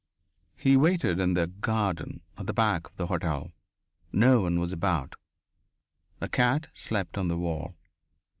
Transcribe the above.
He waited in the "garden" at the back of the hotel. No one was about. A cat slept on the wall.